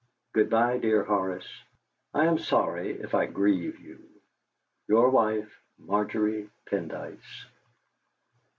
"Good bye, dear Horace; I am sorry if I grieve you. "Your wife, "MARGERY PENDYCE."